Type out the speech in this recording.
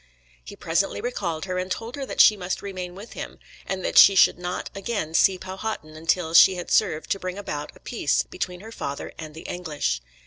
He presently recalled her, and told her that she must remain with him, and that she should not again see Powhatan until she had served to bring about a peace between her father and the English.